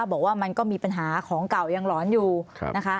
บอกว่ามันก็มีปัญหาของเก่ายังหลอนอยู่นะคะ